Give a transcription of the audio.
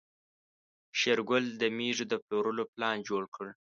شېرګل د مېږو د پلورلو پلان جوړ کړ.